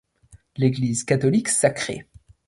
l'Église catholique Sacrée